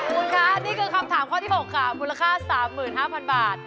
คุณคะนี่คือคำถามข้อที่๖ค่ะมูลค่า๓๕๐๐๐บาท